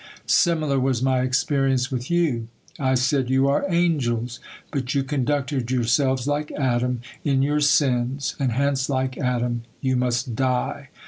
Similar was My experience with you. I said, 'You are angels,' but you conducted yourselves like Adam in your sins, and hence like Adam you must die.